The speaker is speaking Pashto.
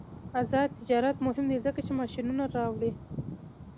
آزاد تجارت مهم دی ځکه چې ماشینونه راوړي.